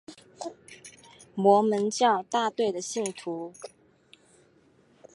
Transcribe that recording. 摩门教大队的信徒。